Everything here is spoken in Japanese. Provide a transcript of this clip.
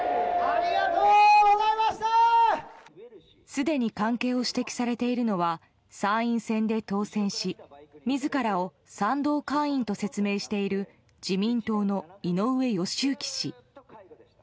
すでに関係を指摘されているのは参院選で当選し自らを賛同会員と説明している自民党の井上義行氏。